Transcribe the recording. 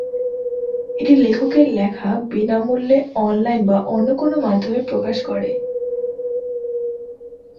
এটি লেখকের লেখা বিনামূল্যে অনলাইন বা অন্য কোন মাধ্যমে প্রকাশ করে।